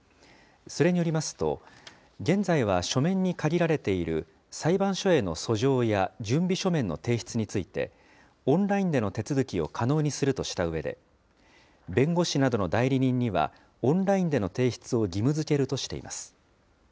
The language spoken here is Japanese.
それによりますと、現在は書面に限られている裁判所への訴状や準備書面の提出について、オンラインでの手続きを可能にするとしたうえで、弁護士などの代理人には、オンラインでの提出を義務づけるとしています。